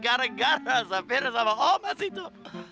gara gara sempir sama omas itu